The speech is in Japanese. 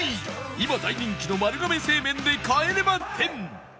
今大人気の丸亀製麺で帰れま １０！